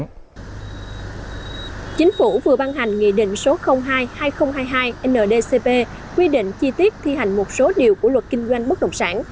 chính phủ vừa ban hành nghị định số hai hai nghìn hai mươi hai ndcp quy định chi tiết thi hành một số điều của luật kinh doanh bất động sản